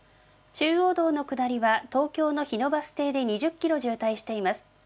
中央道の下りは東京の日野バス停で２０キロ渋滞しています。